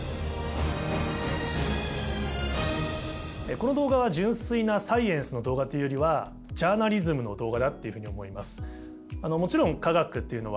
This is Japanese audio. この動画は純粋なサイエンスの動画というよりはジャーナリズムの動画だっていうふうに思います。